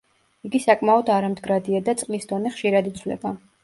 იგი საკმაოდ არამდგრადია და წყლის დონე ხშირად იცვლება.